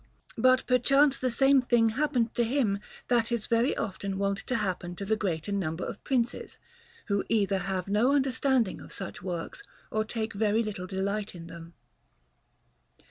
But perchance the same thing happened to him that is very often wont to happen to the greater number of Princes, who either have no understanding of such works or take very little delight in them.